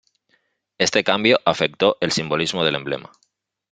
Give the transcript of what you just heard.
Este cambio afectó el simbolismo del emblema.